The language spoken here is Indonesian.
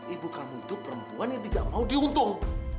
ibu kamu itu perempuan yang tidak mau diuntung